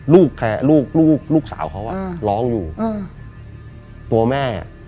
ลูกลูกลูกสาวเขาอ่ะร้องอยู่อ่าตัวแม่อ่ะ